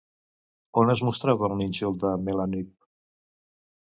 On es mostrava el nínxol de Melanip?